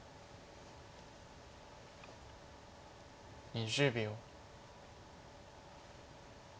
２０秒。